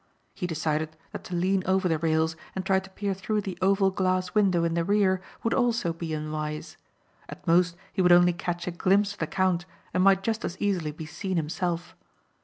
He decided that to lean over the rails and try to peer through the oval glass window in the rear would also be unwise. At most he would only catch a glimpse of the count and might just as easily be seen himself.